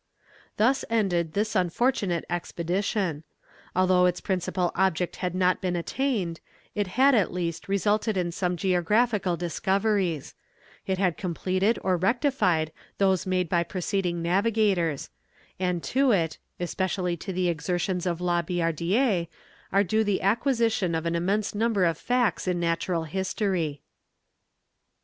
Thus ended this unfortunate expedition. Although its principal object had not been attained, it had at least resulted in some geographical discoveries; it had completed or rectified those made by preceding navigators; and to it, especially to the exertions of La Billardière, are due the acquisition of an immense number of facts in natural history.